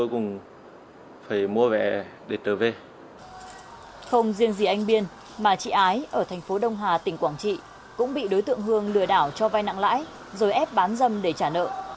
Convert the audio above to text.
không riêng gì anh biên mà chị ái ở thành phố đông hà tỉnh quảng trị cũng bị đối tượng hương lừa đảo cho vay nặng lãi rồi ép bán dâm để trả nợ